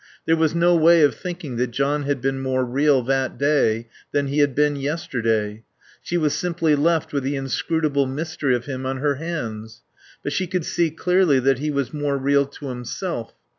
There was no way of thinking that John had been more real that day than he had been yesterday. She was simply left with the inscrutable mystery of him on her hands. But she could see clearly that he was more real to himself.